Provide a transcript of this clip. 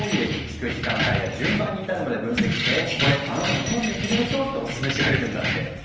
聴く時間帯や順番に至るまで分析して「これあなたの好みの曲でしょ？」ってオススメしてくれるんだって。